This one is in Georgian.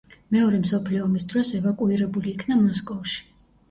მეორე მსოფლიო ომის დროს ევაკუირებული იქნა მოსკოვში.